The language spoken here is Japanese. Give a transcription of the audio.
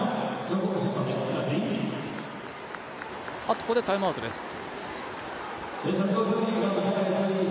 ここでタイムアウトです。